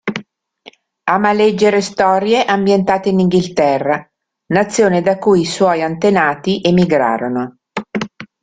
Ama leggere storie ambientate in Inghilterra, nazione da cui i suoi antenati emigrarono.